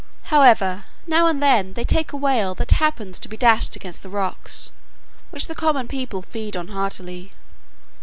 However, now and then they take a whale that happens to be dashed against the rocks, which the common people feed on heartily.